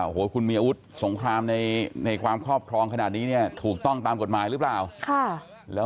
โคลมีอาวุธสงครามในในความครอบครองภารกิจนี้ถูกต้องตามกฎหมายหรือเปล่า